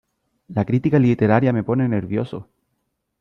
¡La crítica literaria me pone nervioso!